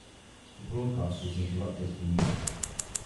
The broadcast was interrupted for news.